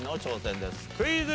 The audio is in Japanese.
クイズ。